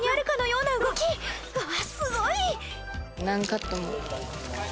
うわっすごい！